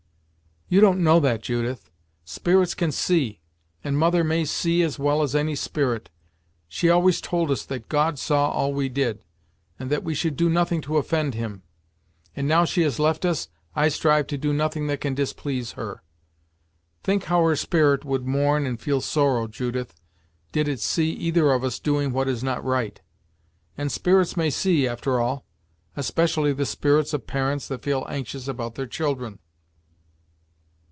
"You don't know that, Judith. Spirits can see, and mother may see as well as any spirit. She always told us that God saw all we did, and that we should do nothing to offend him; and now she has left us, I strive to do nothing that can displease her. Think how her spirit would mourn and feel sorrow, Judith, did it see either of us doing what is not right; and spirits may see, after all; especially the spirits of parents that feel anxious about their children."